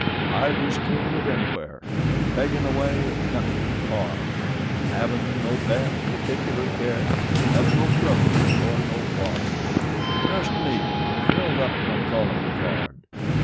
I was king of anywhere, "'Peggin' away at nothing, hard. "'Havin' no pet, particular care; "'Havin' no trouble, or no pard; "'"Just me," filled up my callin' card.'